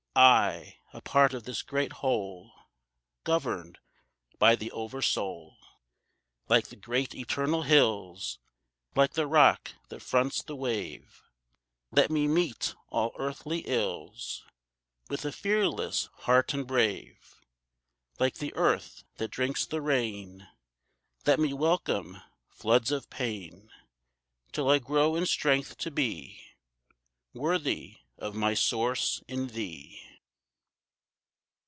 I, a part of this great whole, Governed by the Over Soul. Like the great eternal hills, Like the rock that fronts the wave, Let me meet all earthly ills With a fearless heart and brave; Like the earth that drinks the rain, Let me welcome floods of pain, Till I grow in strength to be Worthy of my source in Thee.